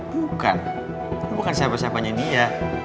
bukan bukan siapa siapanya dia